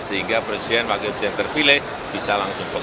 sehingga presiden wakil presiden terpilih bisa langsung bekerja